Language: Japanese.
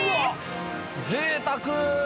ぜいたく！